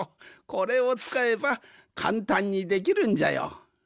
これをつかえばかんたんにできるんじゃよ。